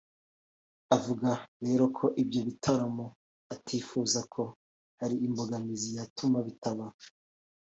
Akavuga rero ko ibyo bitaramo atifuza ko hari imbogamizi yatuma bitaba